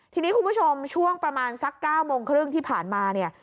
ทีนี้คุณผู้ชมช่วงประมาณสัก๙โมงครึ่งที่ผ่านมาเนี่ย